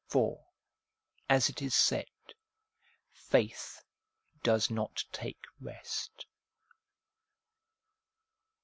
For, as it is said, faith does not take rest.